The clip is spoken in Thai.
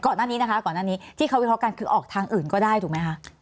ก่อนหน้านี้นะคะก่อนหน้านี้ที่เขาวิเคราะห์กันคือออกทางอื่นก็ได้ถูกไหมคะ